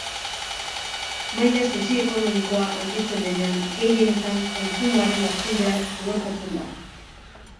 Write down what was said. Maila sozioekonomikoa handitzen denean, gehienetan kontsumoaren hazkundea suertatzen da.